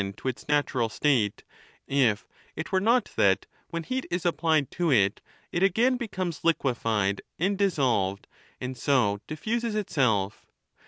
265 to its natural state, if it were not that, when heat is applied to it, it again becomes liquefied and dissolved, and so dif fuses itself.